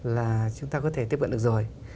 là chúng ta có thể tiếp cận được rồi